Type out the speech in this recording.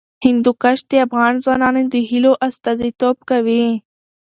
هندوکش د افغان ځوانانو د هیلو استازیتوب کوي.